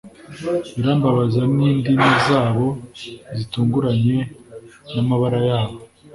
birambabaza n'indimi zabo zitunguranye n'amabara yabo,